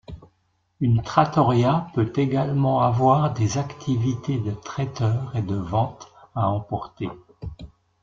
Une trattoria peut également avoir des activités de traiteur et de vente à emporter.